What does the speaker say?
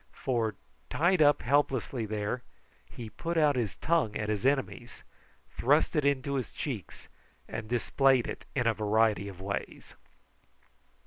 For, tied up helplessly there, he put out his tongue at his enemies, thrust it into his cheeks, and displayed it in a variety of ways.